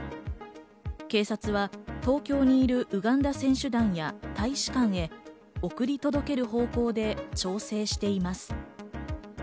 警察は東京にいるウガンダ選手団や大使館へ送り届ける方向で調整しています。